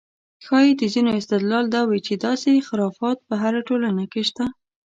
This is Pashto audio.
ښایي د ځینو استدلال دا وي چې داسې خرافات په هره ټولنه کې شته.